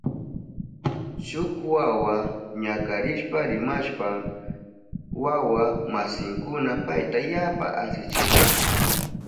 Shuk wawa ñakarishpa rimashpan wawa masinkuna payta yapa asichinahun.